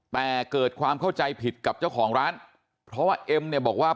แต่เกิดความเข้าใจผิดกับเจ้าของร้านเพราะว่าเอ็มเนี่ยบอกว่า